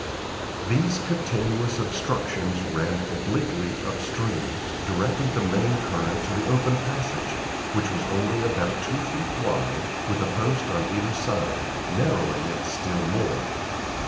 These continuous obstructions ran obliquely up stream, directing the main current to the open passage, which was only about two feet wide, with a post on either side, narrowing it still more.